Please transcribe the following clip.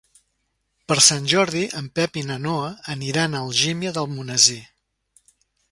Per Sant Jordi en Pep i na Noa aniran a Algímia d'Almonesir.